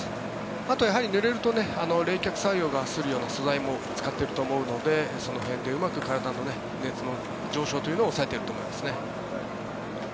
あと、やはりぬれると冷却作用がするような素材も使っていると思うのでその辺でうまく体の熱の上昇を抑えていると思いますね。